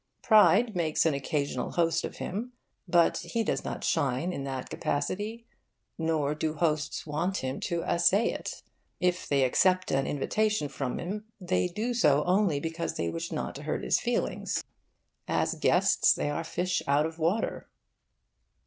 Pride makes an occasional host of him; but he does not shine in that capacity. Nor do hosts want him to assay it. If they accept an invitation from him, they do so only because they wish not to hurt his feelings. As guests they are fish out of water.